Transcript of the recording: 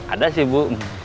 ada sih bu